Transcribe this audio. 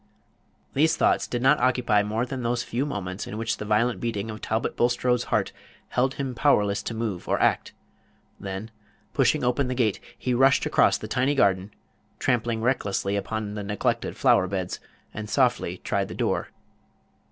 These thoughts did not occupy more than those few moments in which the violent beating of Talbot Bulstrode's heart held him powerless to move or act; then, pushing open the gate, he rushed across the tiny garden, trampling recklessly upon the neglected flower beds, and softly tried the door.